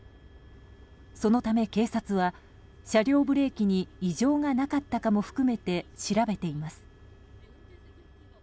そのため警察は、車両ブレーキに異常がなかったかも含めて調べています。